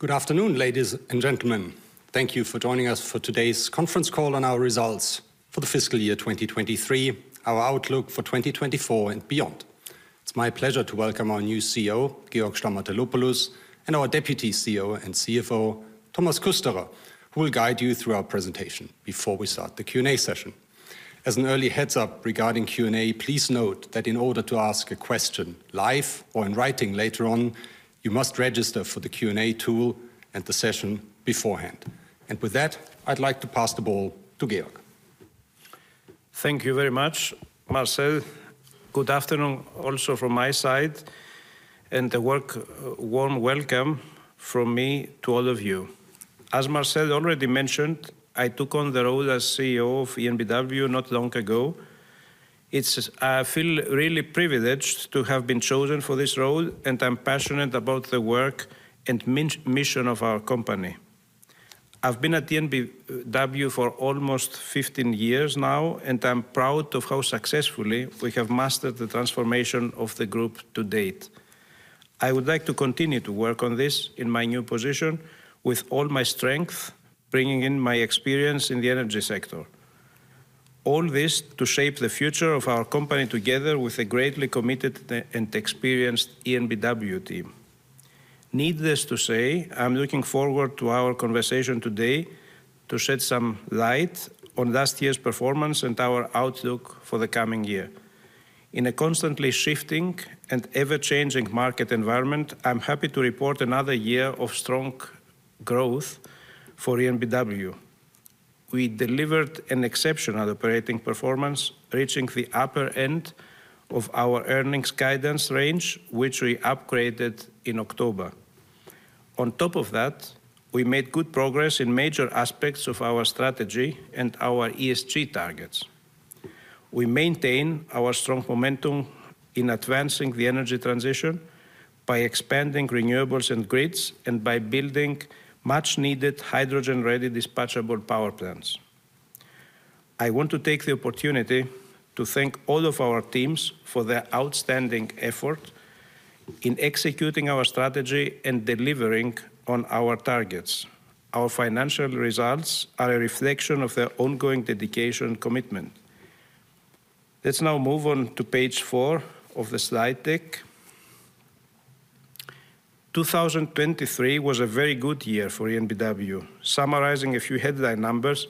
Good afternoon, ladies and gentlemen. Thank you for joining us for today's conference call on our results for the fiscal year 2023, our outlook for 2024 and beyond. It's my pleasure to welcome our new CEO, Georg Stamatelopoulos, and our Deputy CEO and CFO, Thomas Kusterer, who will guide you through our presentation before we start the Q&A session. As an early heads-up regarding Q&A, please note that in order to ask a question live or in writing later on, you must register for the Q&A tool and the session beforehand. And with that, I'd like to pass the ball to Georg. Thank you very much, Marcel. Good afternoon also from my side, and a warm welcome from me to all of you. As Marcel already mentioned, I took on the role as CEO of EnBW not long ago. I feel really privileged to have been chosen for this role, and I'm passionate about the work and mission of our company. I've been at EnBW for almost 15 years now, and I'm proud of how successfully we have mastered the transformation of the group to date. I would like to continue to work on this in my new position with all my strength, bringing in my experience in the energy sector. All this to shape the future of our company together with a greatly committed and experienced EnBW team. Needless to say, I'm looking forward to our conversation today to shed some light on last year's performance and our outlook for the coming year. In a constantly shifting and ever-changing market environment, I'm happy to report another year of strong growth for EnBW. We delivered an exceptional operating performance, reaching the upper end of our earnings guidance range, which we upgraded in October. On top of that, we made good progress in major aspects of our strategy and our ESG targets. We maintain our strong momentum in advancing the energy transition by expanding renewables and grids, and by building much-needed hydrogen-ready dispatchable power plants. I want to take the opportunity to thank all of our teams for their outstanding effort in executing our strategy and delivering on our targets. Our financial results are a reflection of their ongoing dedication and commitment. Let's now move on to page 4 of the slide deck. 2023 was a very good year for EnBW. Summarizing a few headline numbers: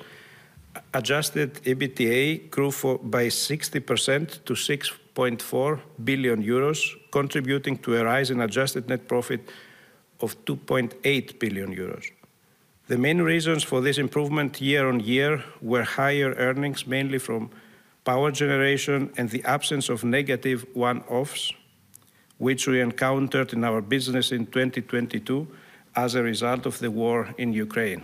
Adjusted EBITDA grew by 60% to 6.4 billion euros, contributing to a rise in adjusted net profit of 2.8 billion euros. The main reasons for this improvement year-on-year were higher earnings, mainly from power generation, and the absence of negative one-offs, which we encountered in our business in 2022 as a result of the war in Ukraine.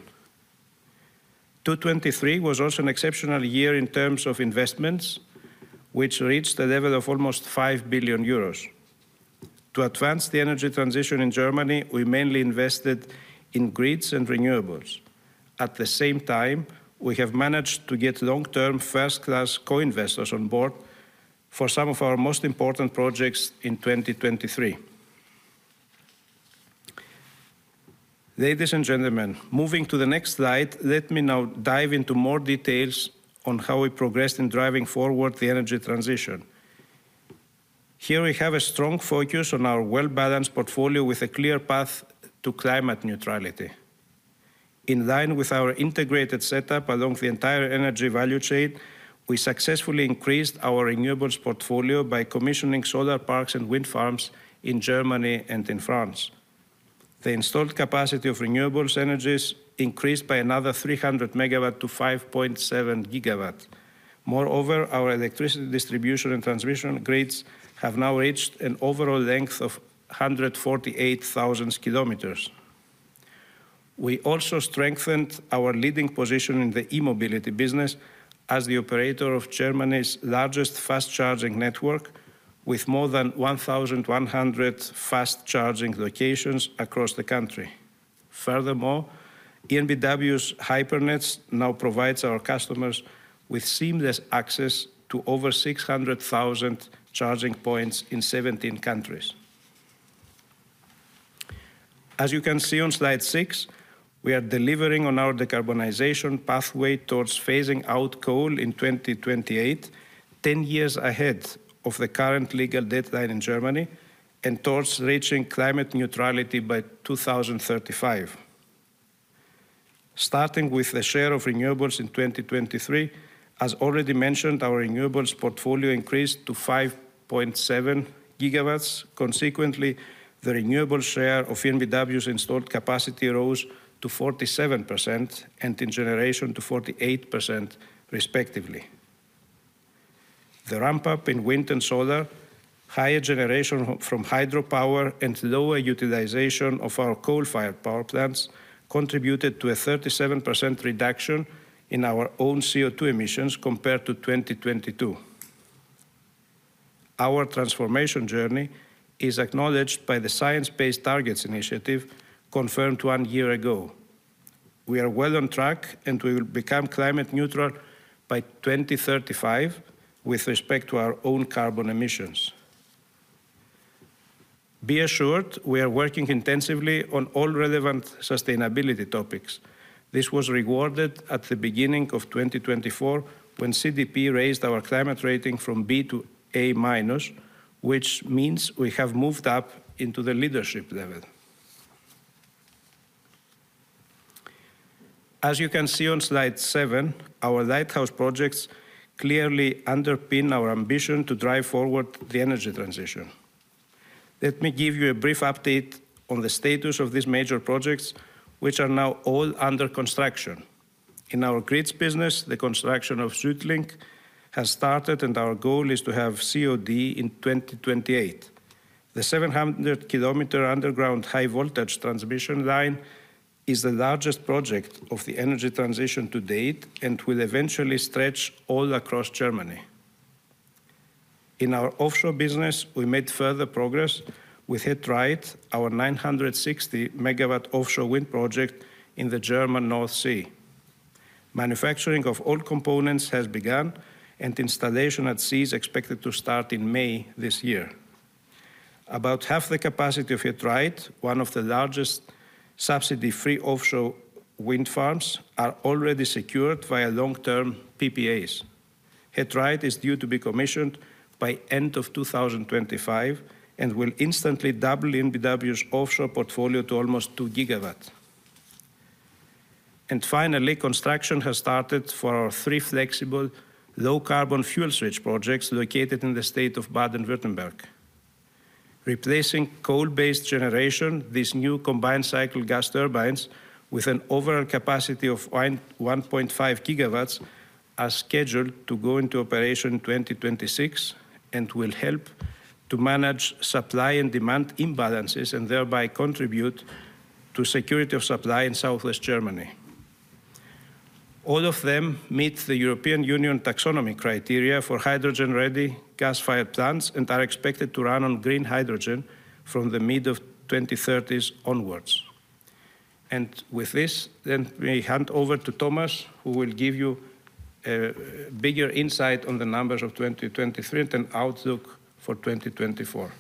2023 was also an exceptional year in terms of investments, which reached a level of almost 5 billion euros. To advance the energy transition in Germany, we mainly invested in grids and renewables. At the same time, we have managed to get long-term first-class co-investors on board for some of our most important projects in 2023. Ladies and gentlemen, moving to the next slide, let me now dive into more details on how we progressed in driving forward the energy transition. Here we have a strong focus on our well-balanced portfolio with a clear path to climate neutrality. In line with our integrated setup along the entire energy value chain, we successfully increased our renewables portfolio by commissioning solar parks and wind farms in Germany and in France. The installed capacity of renewable energies increased by another 300 MW to 5.7 GW. Moreover, our electricity distribution and transmission grids have now reached an overall length of 148,000 km. We also strengthened our leading position in the e-mobility business as the operator of Germany's largest fast-charging network, with more than 1,100 fast-charging locations across the country. Furthermore, EnBW's HyperNet now provides our customers with seamless access to over 600,000 charging points in 17 countries. As you can see on slide 6, we are delivering on our decarbonization pathway towards phasing out coal in 2028, ten years ahead of the current legal deadline in Germany, and towards reaching climate neutrality by 2035. Starting with the share of renewables in 2023, as already mentioned, our renewables portfolio increased to 5.7 gigawatts. Consequently, the renewable share of EnBW's installed capacity rose to 47% and in generation to 48%, respectively. The ramp-up in wind and solar, higher generation from hydropower, and lower utilization of our coal-fired power plants contributed to a 37% reduction in our own CO2 emissions compared to 2022. Our transformation journey is acknowledged by the Science-Based Targets Initiative confirmed one year ago. We are well on track, and we will become climate neutral by 2035 with respect to our own carbon emissions. Be assured, we are working intensively on all relevant sustainability topics. This was rewarded at the beginning of 2024 when CDP raised our climate rating from B to A-, which means we have moved up into the leadership level. As you can see on slide 7, our lighthouse projects clearly underpin our ambition to drive forward the energy transition. Let me give you a brief update on the status of these major projects, which are now all under construction. In our grids business, the construction of SuedLink has started, and our goal is to have COD in 2028. The 700 km underground high-voltage transmission line is the largest project of the energy transition to date and will eventually stretch all across Germany. In our offshore business, we made further progress with He Dreiht, our 960 MW offshore wind project in the German North Sea. Manufacturing of all components has begun, and installation at sea is expected to start in May this year. About half the capacity of He Dreiht, one of the largest subsidy-free offshore wind farms, is already secured via long-term PPAs. He Dreiht is due to be commissioned by the end of 2025 and will instantly double EnBW's offshore portfolio to almost two gigawatts. And finally, construction has started for our three flexible, low-carbon fuel switch projects located in the state of Baden-Württemberg. Replacing coal-based generation, these new combined-cycle gas turbines with an overall capacity of 1.5 GW are scheduled to go into operation in 2026 and will help to manage supply and demand imbalances and thereby contribute to the security of supply in southwest Germany. All of them meet the European Union Taxonomy criteria for hydrogen-ready gas-fired plants and are expected to run on green hydrogen from the mid-2030s onwards. With this, let me hand over to Thomas, who will give you a bigger insight on the numbers of 2023 and an outlook for 2024.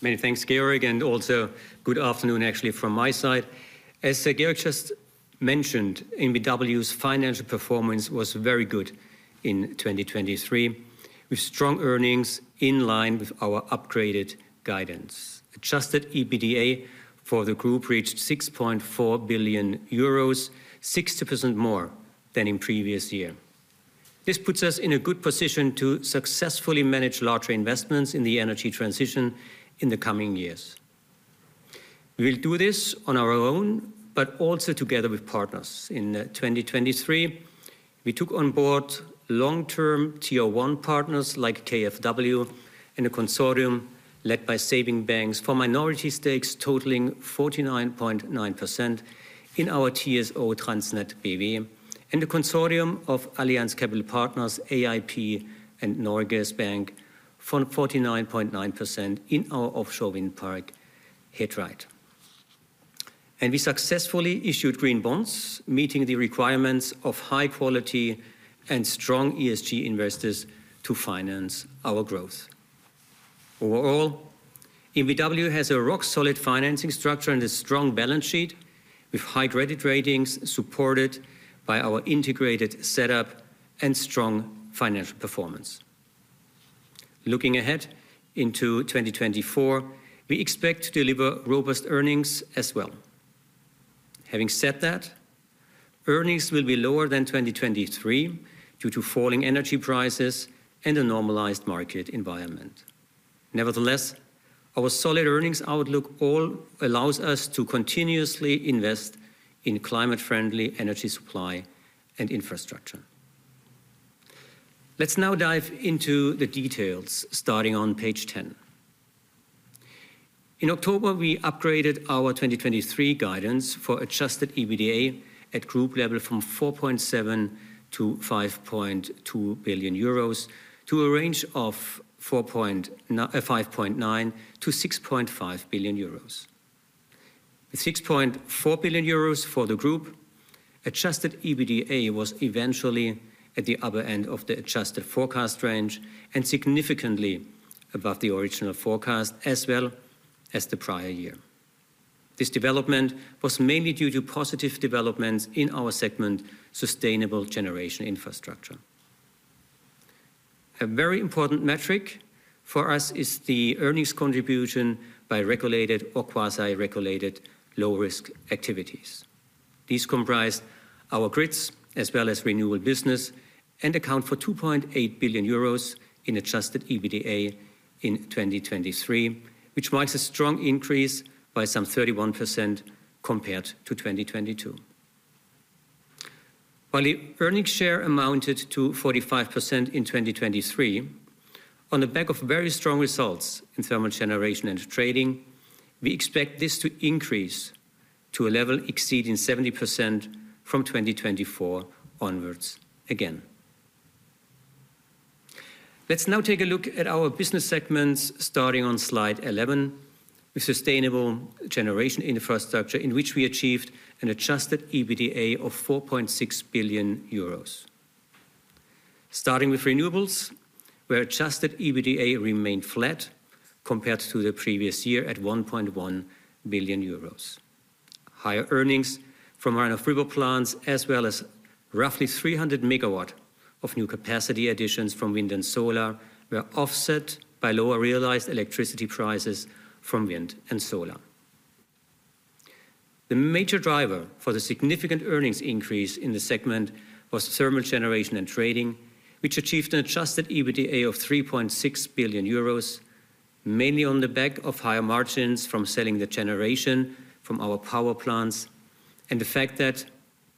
Many thanks, Georg, and also good afternoon, actually, from my side. As Georg just mentioned, EnBW's financial performance was very good in 2023, with strong earnings in line with our upgraded guidance. Adjusted EBITDA for the group reached 6.4 billion euros, 60% more than in the previous year. This puts us in a good position to successfully manage larger investments in the energy transition in the coming years. We will do this on our own, but also together with partners. In 2023, we took on board long-term Tier 1 partners like KfW and a consortium led by Savings Banks for minority stakes totaling 49.9% in our TSO TransnetBW, and the consortium of Allianz Capital Partners, AIP and Norges Bank for 49.9% in our offshore wind park, He Dreiht. And we successfully issued green bonds, meeting the requirements of high-quality and strong ESG investors to finance our growth. Overall, EnBW has a rock-solid financing structure and a strong balance sheet, with high credit ratings supported by our integrated setup and strong financial performance. Looking ahead into 2024, we expect to deliver robust earnings as well. Having said that, earnings will be lower than 2023 due to falling energy prices and a normalized market environment. Nevertheless, our solid earnings outlook allows us to continuously invest in climate-friendly energy supply and infrastructure. Let's now dive into the details, starting on page 10. In October, we upgraded our 2023 guidance for Adjusted EBITDA at group level from 4.7 billion to 5.2 billion euros to a range of 5.9 billion-6.5 billion euros. With 6.4 billion euros for the group, Adjusted EBITDA was eventually at the upper end of the adjusted forecast range and significantly above the original forecast, as well as the prior year. This development was mainly due to positive developments in our segment, sustainable generation infrastructure. A very important metric for us is the earnings contribution by regulated or quasi-regulated low-risk activities. These comprise our grids as well as renewable business and account for 2.8 billion euros in adjusted EBITDA in 2023, which marks a strong increase by some 31% compared to 2022. While the earnings share amounted to 45% in 2023, on the back of very strong results in thermal generation and trading, we expect this to increase to a level exceeding 70% from 2024 onwards again. Let's now take a look at our business segments, starting on slide 11, with sustainable generation infrastructure in which we achieved an adjusted EBITDA of 4.6 billion euros. Starting with renewables, where adjusted EBITDA remained flat compared to the previous year at 1.1 billion euros. Higher earnings from run-of-river plants, as well as roughly 300 MW of new capacity additions from wind and solar, were offset by lower realized electricity prices from wind and solar. The major driver for the significant earnings increase in the segment was thermal generation and trading, which achieved an Adjusted EBITDA of 3.6 billion euros, mainly on the back of higher margins from selling the generation from our power plants and the fact that,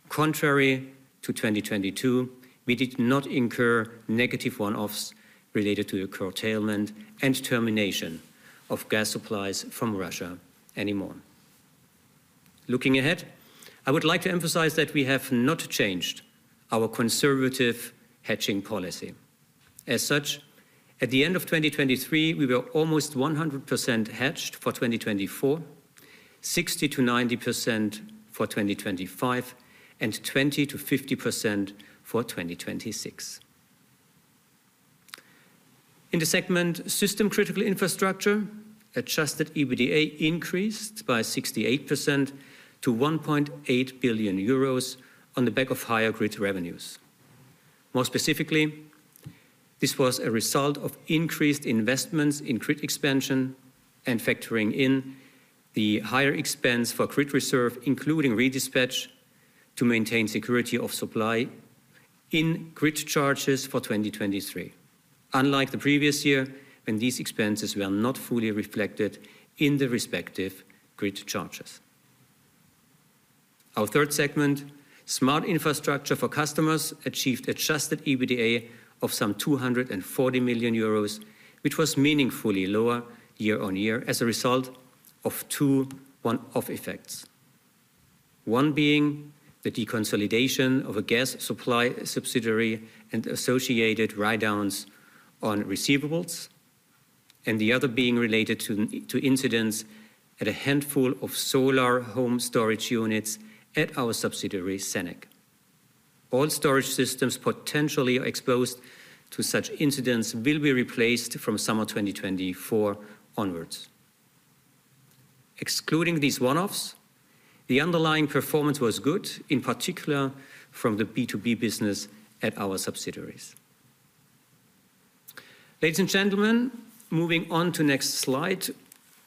contrary to 2022, we did not incur negative one-offs related to the curtailment and termination of gas supplies from Russia anymore. Looking ahead, I would like to emphasize that we have not changed our conservative hedging policy. As such, at the end of 2023, we were almost 100% hedged for 2024, 60%-90% for 2025, and 20%-50% for 2026. In the segment system-critical infrastructure, Adjusted EBITDA increased by 68% to 1.8 billion euros on the back of higher grid revenues. More specifically, this was a result of increased investments in grid expansion and factoring in the higher expense for grid reserve, including redispatch, to maintain security of supply in grid charges for 2023, unlike the previous year when these expenses were not fully reflected in the respective grid charges. Our third segment, smart infrastructure for customers, achieved Adjusted EBITDA of some 240 million euros, which was meaningfully lower year-on-year as a result of two one-off effects, one being the deconsolidation of a gas supply subsidiary and associated write-downs on receivables, and the other being related to incidents at a handful of solar home storage units at our subsidiary, SENEC. All storage systems potentially exposed to such incidents will be replaced from summer 2024 onwards. Excluding these one-offs, the underlying performance was good, in particular from the B2B business at our subsidiaries. Ladies and gentlemen, moving on to the next slide,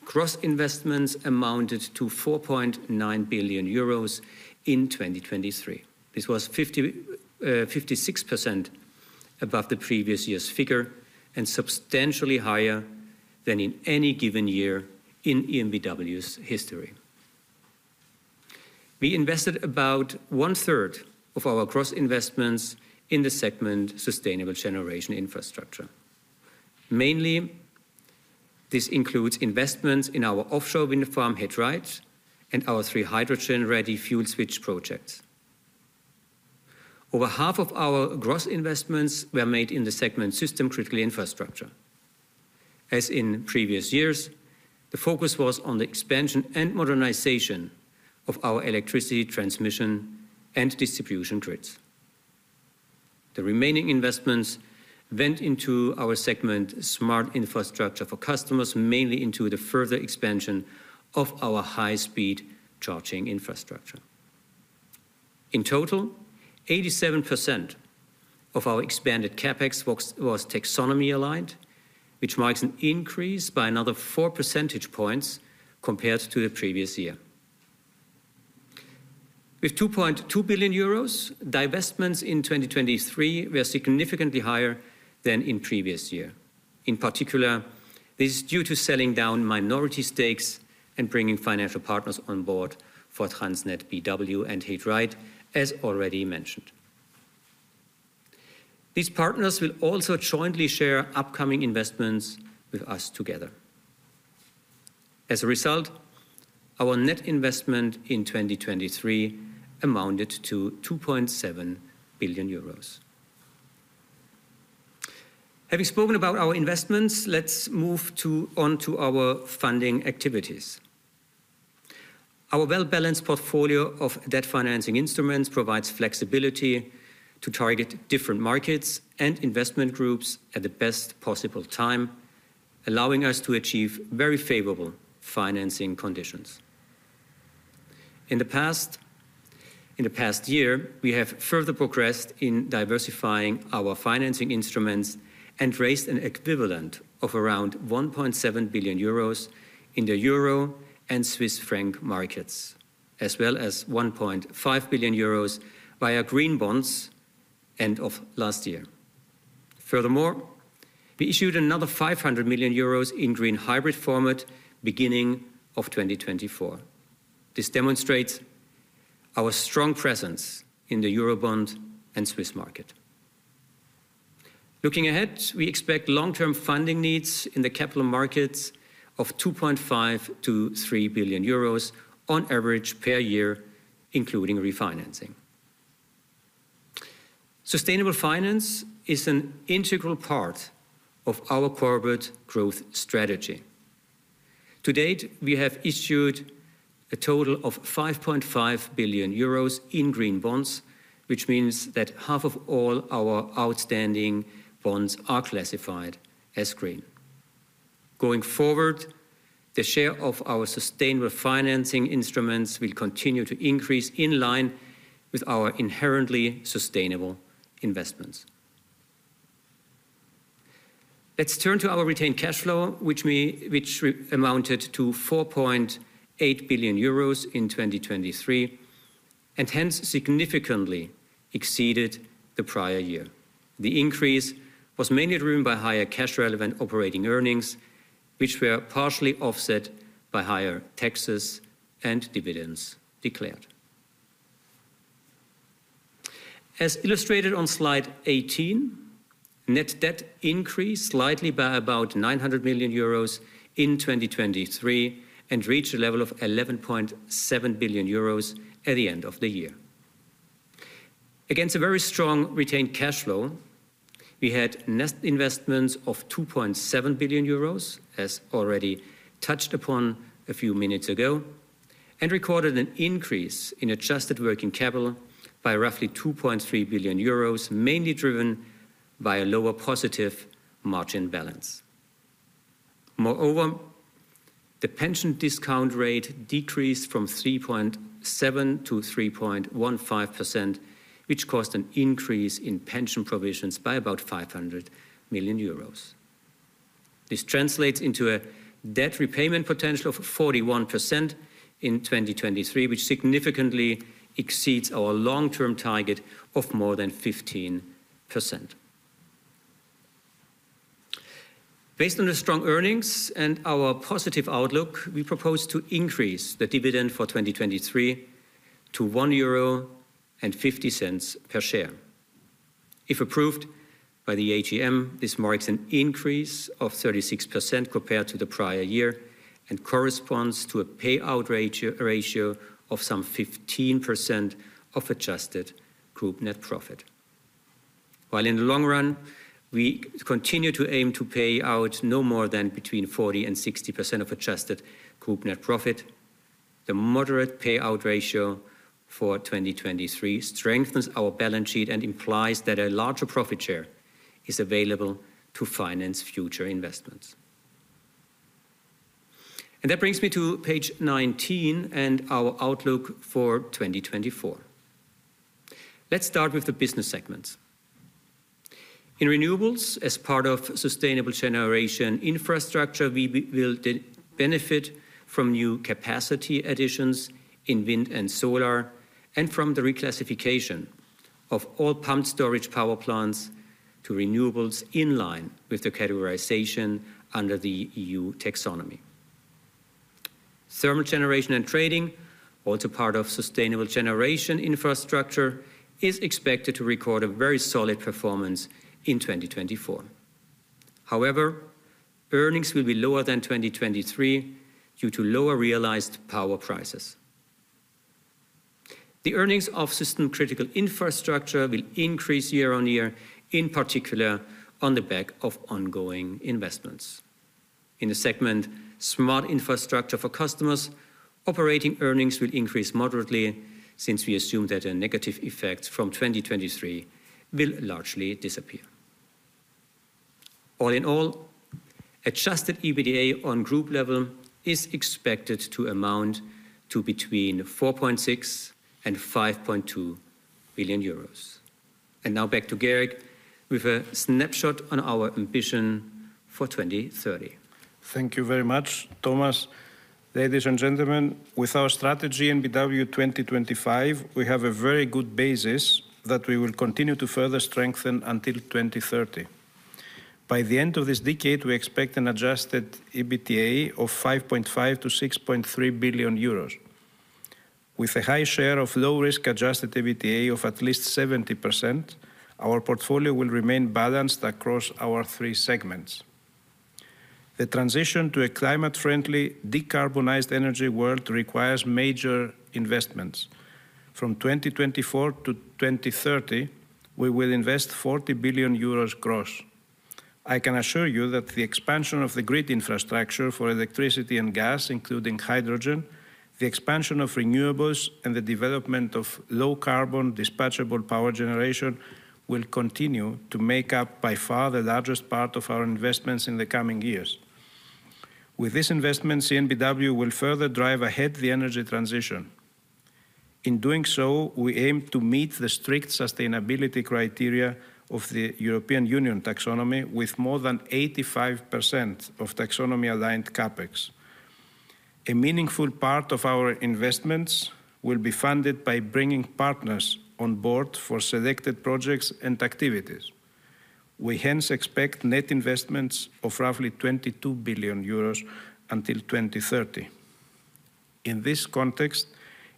gross investments amounted to 4.9 billion euros in 2023. This was 56% above the previous year's figure and substantially higher than in any given year in EnBW's history. We invested about 1/3 of our gross investments in the segment sustainable generation infrastructure. Mainly, this includes investments in our offshore wind farm He Dreiht and our three hydrogen-ready fuel switch projects. Over half of our gross investments were made in the segment system-critical infrastructure. As in previous years, the focus was on the expansion and modernization of our electricity transmission and distribution grids. The remaining investments went into our segment smart infrastructure for customers, mainly into the further expansion of our high-speed charging infrastructure. In total, 87% of our expanded CapEx was Taxonomy aligned, which marks an increase by another four percentage points compared to the previous year. With 2.2 billion euros, divestments in 2023 were significantly higher than in the previous year. In particular, this is due to selling down minority stakes and bringing financial partners on board for TransnetBW and He Dreiht, as already mentioned. These partners will also jointly share upcoming investments with us together. As a result, our net investment in 2023 amounted to EUR 2.7 billion. Having spoken about our investments, let's move on to our funding activities. Our well-balanced portfolio of debt financing instruments provides flexibility to target different markets and investment groups at the best possible time, allowing us to achieve very favorable financing conditions. In the past year, we have further progressed in diversifying our financing instruments and raised an equivalent of around 1.7 billion euros in the euro and Swiss franc markets, as well as 1.5 billion euros via green bonds, end of last year. Furthermore, we issued another 500 million euros in green hybrid format, beginning of 2024. This demonstrates our strong presence in the Eurobond and Swiss market. Looking ahead, we expect long-term funding needs in the capital markets of 2.5 billion-3 billion euros on average per year, including refinancing. Sustainable finance is an integral part of our corporate growth strategy. To date, we have issued a total of 5.5 billion euros in green bonds, which means that half of all our outstanding bonds are classified as green. Going forward, the share of our sustainable financing instruments will continue to increase in line with our inherently sustainable investments. Let's turn to our retained cash flow, which amounted to 4.8 billion euros in 2023 and hence significantly exceeded the prior year. The increase was mainly driven by higher cash-relevant operating earnings, which were partially offset by higher taxes and dividends declared. As illustrated on slide 18, net debt increased slightly by about 900 million euros in 2023 and reached a level of 11.7 billion euros at the end of the year. Against a very strong retained cash flow, we had investments of 2.7 billion euros, as already touched upon a few minutes ago, and recorded an increase in adjusted working capital by roughly 2.3 billion euros, mainly driven by a lower positive margin balance. Moreover, the pension discount rate decreased from 3.7%-3.15%, which caused an increase in pension provisions by about 500 million euros. This translates into a debt repayment potential of 41% in 2023, which significantly exceeds our long-term target of more than 15%. Based on the strong earnings and our positive outlook, we propose to increase the dividend for 2023 to 1.50 euro per share. If approved by the AGM, this marks an increase of 36% compared to the prior year and corresponds to a payout ratio of some 15% of adjusted group net profit. While in the long run, we continue to aim to pay out no more than between 40%-60% of adjusted group net profit, the moderate payout ratio for 2023 strengthens our balance sheet and implies that a larger profit share is available to finance future investments. And that brings me to page 19 and our outlook for 2024. Let's start with the business segments. In renewables, as part of sustainable generation infrastructure, we will benefit from new capacity additions in wind and solar and from the reclassification of all pumped storage power plants to renewables in line with the categorization under the EU Taxonomy. Thermal generation and trading, also part of sustainable generation infrastructure, is expected to record a very solid performance in 2024. However, earnings will be lower than 2023 due to lower realized power prices. The earnings of system-critical infrastructure will increase year-on-year, in particular on the back of ongoing investments. In the segment smart infrastructure for customers, operating earnings will increase moderately since we assume that a negative effect from 2023 will largely disappear. All in all, Adjusted EBITDA on group level is expected to amount to between 4.6 billion-5.2 billion euros. And now back to Georg with a snapshot on our ambition for 2030. Thank you very much, Thomas. Ladies and gentlemen, with our strategy EnBW 2025, we have a very good basis that we will continue to further strengthen until 2030. By the end of this decade, we expect an Adjusted EBITDA of 5.5 billion-6.3 billion euros. With a high share of low-risk Adjusted EBITDA of at least 70%, our portfolio will remain balanced across our three segments. The transition to a climate-friendly, decarbonized energy world requires major investments. From 2024 to 2030, we will invest 40 billion euros gross. I can assure you that the expansion of the grid infrastructure for electricity and gas, including hydrogen, the expansion of renewables, and the development of low-carbon dispatchable power generation will continue to make up by far the largest part of our investments in the coming years. With these investments, EnBW will further drive ahead the energy transition. In doing so, we aim to meet the strict sustainability criteria of the European Union Taxonomy with more than 85% of Taxonomy-aligned CapEx. A meaningful part of our investments will be funded by bringing partners on board for selected projects and activities. We hence expect net investments of roughly 22 billion euros until 2030. In this context,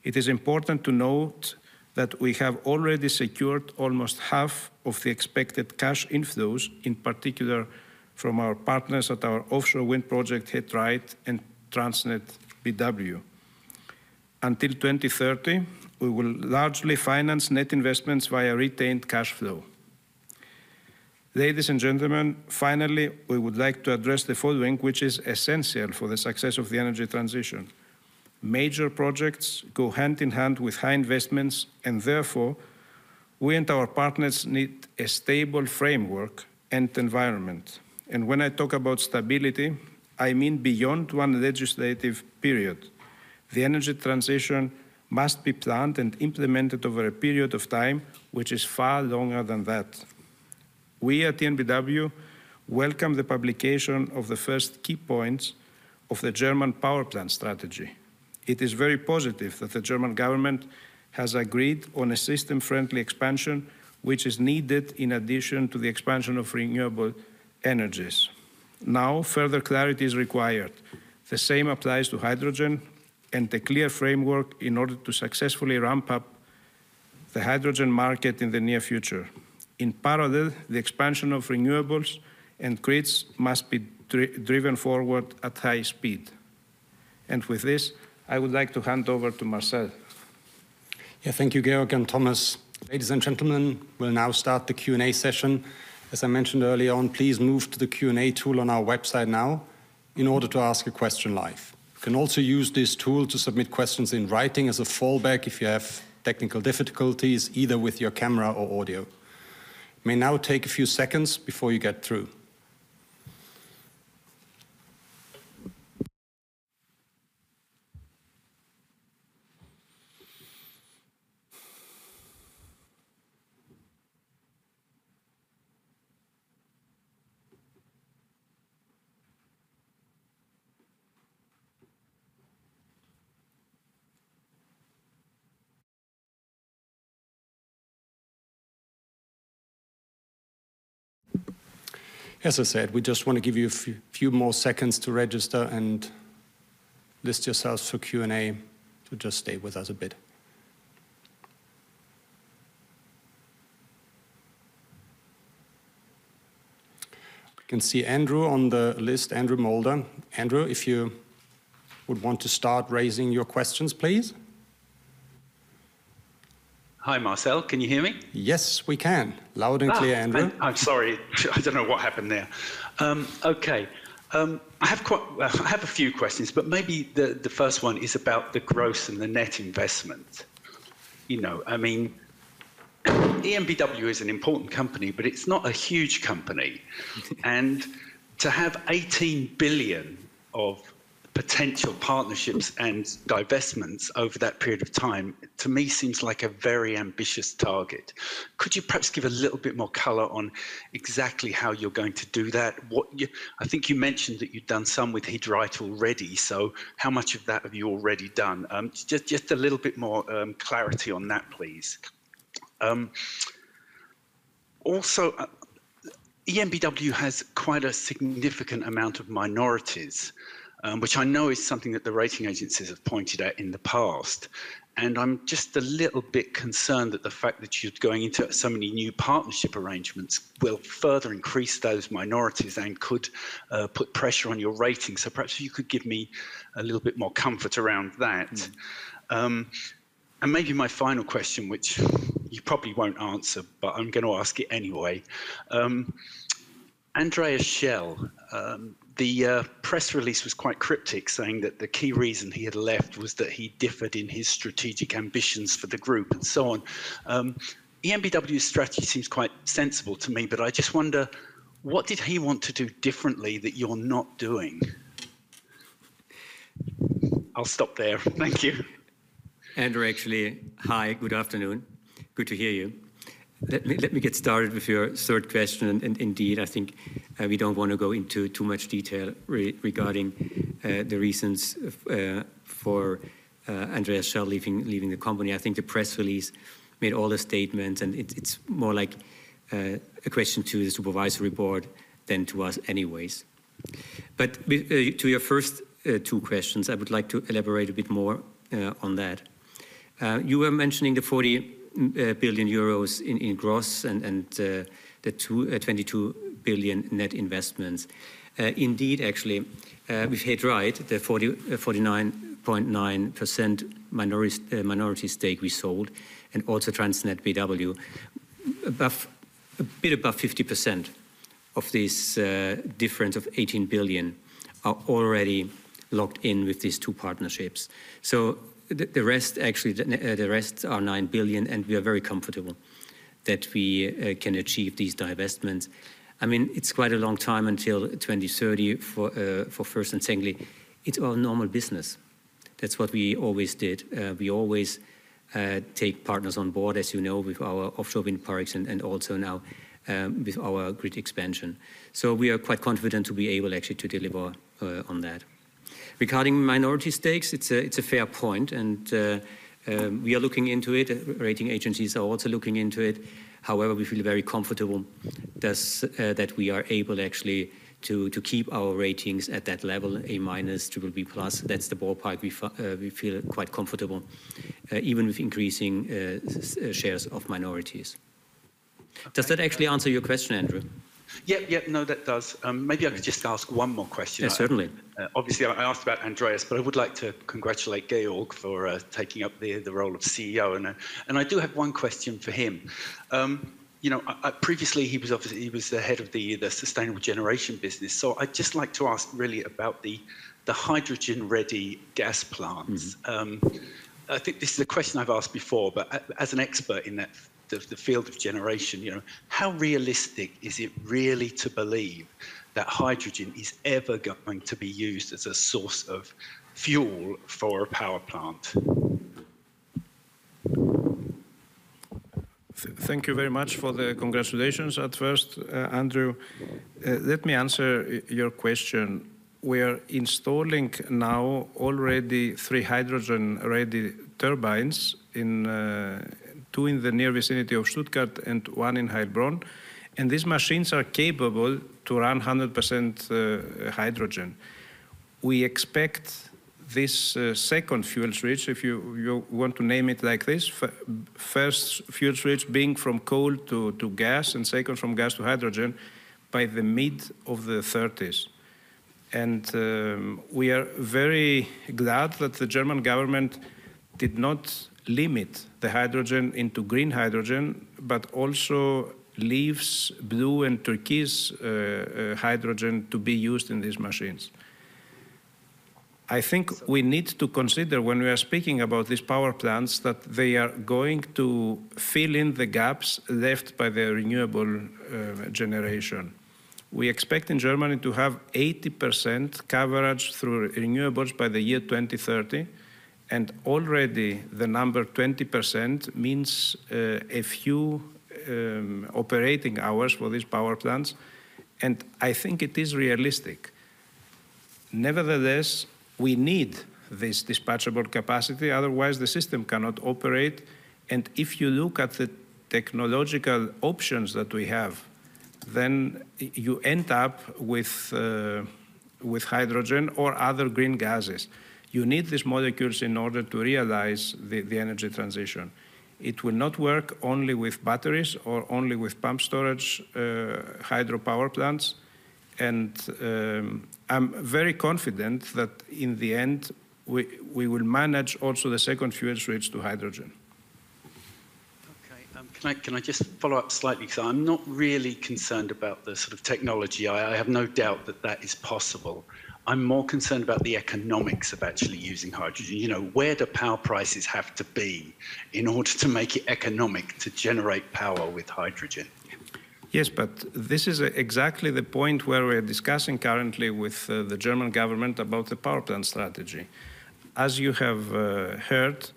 it is important to note that we have already secured almost half of the expected cash inflows, in particular from our partners at our offshore wind project He Dreiht and TransnetBW. Until 2030, we will largely finance net investments via retained cash flow. Ladies and gentlemen, finally, we would like to address the following, which is essential for the success of the energy transition. Major projects go hand in hand with high investments, and therefore we and our partners need a stable framework and environment. And when I talk about stability, I mean beyond one legislative period. The energy transition must be planned and implemented over a period of time which is far longer than that. We at EnBW welcome the publication of the first key points of the German power plant strategy. It is very positive that the German government has agreed on a system-friendly expansion which is needed in addition to the expansion of renewable energies. Now, further clarity is required. The same applies to hydrogen and a clear framework in order to successfully ramp up the hydrogen market in the near future. In parallel, the expansion of renewables and grids must be driven forward at high speed. And with this, I would like to hand over to Marcel. Yeah, thank you, Georgios and Thomas. Ladies and gentlemen, we'll now start the Q&A session. As I mentioned earlier on, please move to the Q&A tool on our website now in order to ask a question live. You can also use this tool to submit questions in writing as a fallback if you have technical difficulties, either with your camera or audio. It may now take a few seconds before you get through. As I said, we just want to give you a few more seconds to register and list yourselves for Q&A to just stay with us a bit. We can see Andrew on the list, Andrew Moulder. Andrew, if you would want to start raising your questions, please. Hi, Marcel. Can you hear me? Yes, we can. Loud and clear, Andrew. I'm sorry. I don't know what happened there. Okay. I have a few questions, but maybe the first one is about the gross and the net investments. I mean, EnBW is an important company, but it's not a huge company. And to have 18 billion of potential partnerships and divestments over that period of time, to me, seems like a very ambitious target. Could you perhaps give a little bit more color on exactly how you're going to do that? I think you mentioned that you've done some with He Dreiht already, so how much of that have you already done? Just a little bit more clarity on that, please. Also, EnBW has quite a significant amount of minorities, which I know is something that the rating agencies have pointed out in the past. And I'm just a little bit concerned that the fact that you're going into so many new partnership arrangements will further increase those minorities and could put pressure on your rating. So perhaps you could give me a little bit more comfort around that. Maybe my final question, which you probably won't answer, but I'm going to ask it anyway. Andreas Schell, the press release was quite cryptic, saying that the key reason he had left was that he differed in his strategic ambitions for the group and so on. EnBW's strategy seems quite sensible to me, but I just wonder, what did he want to do differently that you're not doing? I'll stop there. Thank you. Andrew, actually, hi. Good afternoon. Good to hear you. Let me get started with your third question. Indeed, I think we don't want to go into too much detail regarding the reasons for Andreas Schell leaving the company. I think the press release made all the statements, and it's more like a question to the supervisory board than to us anyways. But to your first two questions, I would like to elaborate a bit more on that. You were mentioning the 40 billion euros in gross and the 22 billion net investments. Indeed, actually, we've hit right. The 49.9% minority stake we sold and also TransnetBW, a bit above 50% of this difference of 18 billion, are already locked in with these two partnerships. So the rest, actually, the rest are 9 billion, and we are very comfortable that we can achieve these divestments. I mean, it's quite a long time until 2030 for first and secondly. It's all normal business. That's what we always did. We always take partners on board, as you know, with our offshore wind parks and also now with our grid expansion. So we are quite confident to be able, actually, to deliver on that. Regarding minority stakes, it's a fair point, and we are looking into it. Rating agencies are also looking into it. However, we feel very comfortable that we are able, actually, to keep our ratings at that level, A minus, B plus. That's the ballpark. We feel quite comfortable, even with increasing shares of minorities. Does that actually answer your question, Andrew? Yeah, yeah. No, that does. Maybe I could just ask one more question. Yeah, certainly. Obviously, I asked about Andreas, but I would like to congratulate Georgios for taking up the role of CEO. And I do have one question for him. Previously, he was the head of the sustainable generation business. So I'd just like to ask really about the hydrogen-ready gas plants. I think this is a question I've asked before, but as an expert in the field of generation, how realistic is it really to believe that hydrogen is ever going to be used as a source of fuel for a power plant? Thank you very much for the congratulations at first. Andrew, let me answer your question. We are installing now already 3 hydrogen-ready turbines, 2 in the near vicinity of Stuttgart and 1 in Heilbronn. These machines are capable to run 100% hydrogen. We expect this second fuel switch, if you want to name it like this, first fuel switch being from coal to gas and second from gas to hydrogen, by the mid-2030s. We are very glad that the German government did not limit the hydrogen into green hydrogen, but also leaves blue and turquoise hydrogen to be used in these machines. I think we need to consider, when we are speaking about these power plants, that they are going to fill in the gaps left by the renewable generation. We expect in Germany to have 80% coverage through renewables by the year 2030. Already, the number 20% means a few operating hours for these power plants. And I think it is realistic. Nevertheless, we need this dispatchable capacity. Otherwise, the system cannot operate. And if you look at the technological options that we have, then you end up with hydrogen or other green gases. You need these molecules in order to realize the energy transition. It will not work only with batteries or only with pump storage hydropower plants. And I'm very confident that in the end, we will manage also the second fuel switch to hydrogen. Okay. Can I just follow up slightly? Because I'm not really concerned about the sort of technology. I have no doubt that that is possible. I'm more concerned about the economics of actually using hydrogen. Where do power prices have to be in order to make it economic to generate power with hydrogen? Yes, but this is exactly the point where we are discussing currently with the German government about the power plant strategy. As you have heard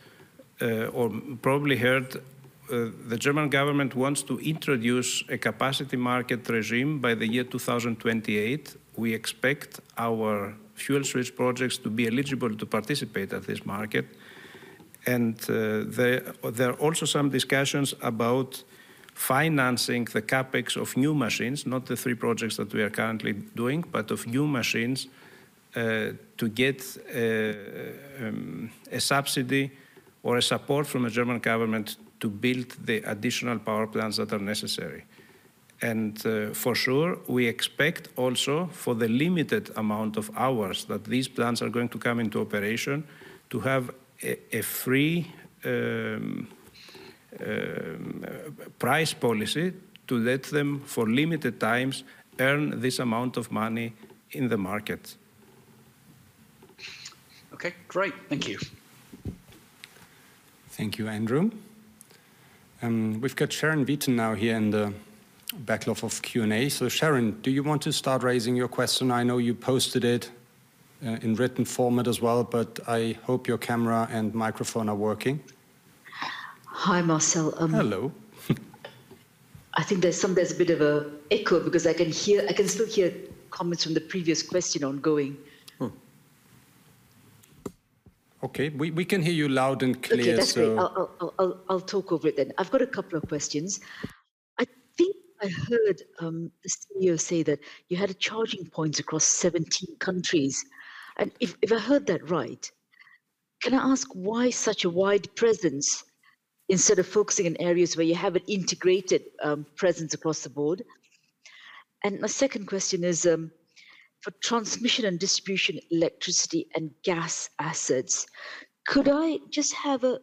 or probably heard, the German government wants to introduce a capacity market regime by the year 2028. We expect our fuel switch projects to be eligible to participate at this market. And there are also some discussions about financing the CapEx of new machines, not the three projects that we are currently doing, but of new machines to get a subsidy or a support from the German government to build the additional power plants that are necessary. And for sure, we expect also, for the limited amount of hours that these plants are going to come into operation, to have a free price policy to let them, for limited times, earn this amount of money in the market. Okay. Great. Thank you. Thank you, Andrew. We've got Sharon now here in the backlog of Q&A. So Sharon, do you want to start raising your question? I know you posted it in written format as well, but I hope your camera and microphone are working. Hi, Marcel. Hello. I think there's a bit of an echo because I can still hear comments from the previous question ongoing. Okay. We can hear you loud and clear. Okay. I'll talk over it then. I've got a couple of questions. I think I heard the CEO say that you had charging points across 17 countries. If I heard that right, can I ask why such a wide presence instead of focusing on areas where you have an integrated presence across the board? And my second question is, for transmission and distribution electricity and gas assets, could I just have an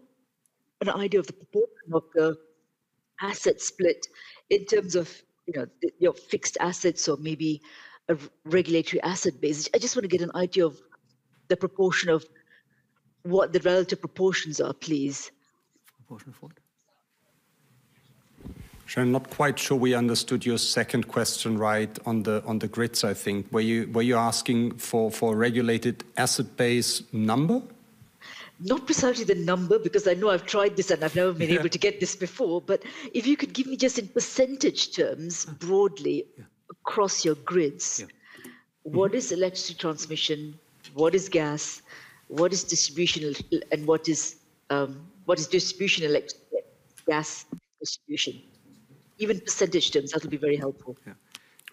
idea of the proportion of the asset split in terms of your fixed assets or maybe a regulatory asset base? I just want to get an idea of the proportion of what the relative proportions are, please. Proportion of what? Sharon, not quite sure we understood your second question right on the grids, I think. Were you asking for a regulated asset base number? Not precisely the number because I know I've tried this, and I've never been able to get this before. But if you could give me just in percentage terms, broadly, across your grids, what is electricity transmission? What is gas? What is distributional? And what is distributional gas distribution? Even percentage terms, that'll be very helpful. Yeah.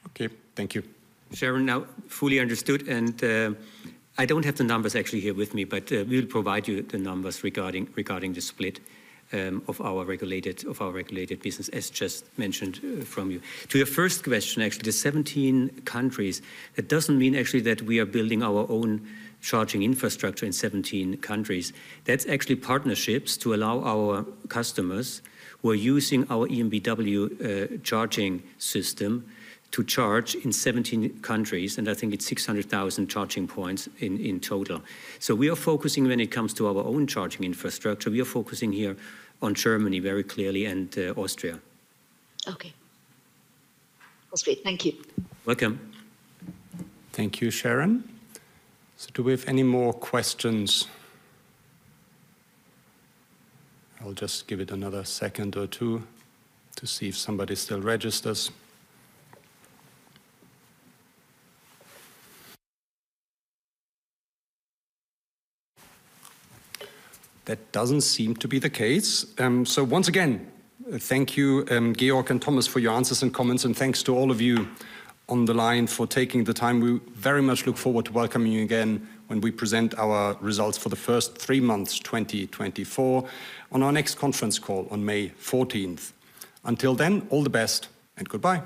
Okay. Thank you. Sharon, now fully understood. I don't have the numbers, actually, here with me, but we'll provide you the numbers regarding the split of our regulated business, as just mentioned from you. To your first question, actually, the 17 countries, it doesn't mean, actually, that we are building our own charging infrastructure in 17 countries. That's actually partnerships to allow our customers who are using our ENBW charging system to charge in 17 countries. And I think it's 600,000 charging points in total. So we are focusing, when it comes to our own charging infrastructure, we are focusing here on Germany very clearly and Austria. Okay. That's great. Thank you. Welcome. Thank you, Sharon. So do we have any more questions? I'll just give it another second or two to see if somebody still registers. That doesn't seem to be the case. Once again, thank you, Georg and Thomas, for your answers and comments. Thanks to all of you on the line for taking the time. We very much look forward to welcoming you again when we present our results for the first three months, 2024, on our next conference call on May 14th. Until then, all the best and goodbye.